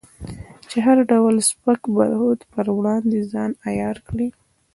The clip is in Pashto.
چې د هر ډول سپک برخورد پر وړاندې ځان عیار کړې.